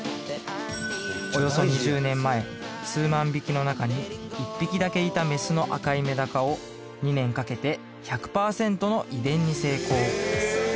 およそ２０年前数万匹の中に１匹だけいたメスの赤いめだかを２年かけて１００％の遺伝に成功